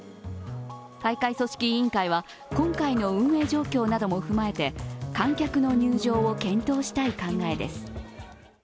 大会組織委員会は今回の運営状況なども踏まえて観客の入場を検討したい考えです。